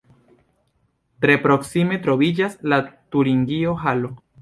Tre proksime troviĝas la Turingio-halo.